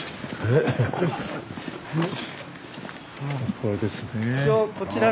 これですね。